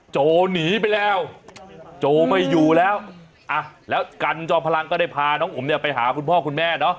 โจหนีไปแล้วโจไม่อยู่แล้วอ่ะแล้วกันจอมพลังก็ได้พาน้องผมเนี่ยไปหาคุณพ่อคุณแม่เนาะ